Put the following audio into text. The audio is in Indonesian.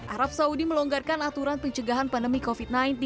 arab saudi melonggarkan aturan pencegahan pandemi covid sembilan belas